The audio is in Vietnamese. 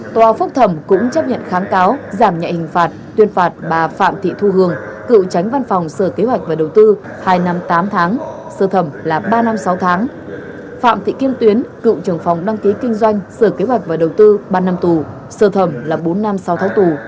tòa phúc thẩm cũng chấp nhận kháng cáo giảm nhạy hình phạt tuyên phạt bà phạm thị thu hương cựu tránh văn phòng sở kế hoạch và đầu tư hai năm tám tháng sơ thẩm là ba năm sáu tháng